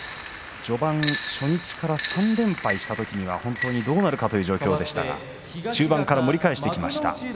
序盤、初日から３連敗したときには本当にどうなるかという状況でしたが中盤から盛り返してきました。